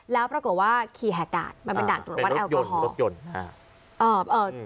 แล้วปรากฏว่าขี่แหกด่านมันเป็นด่านตรวจวัดแอลกอฮอลรถยนต์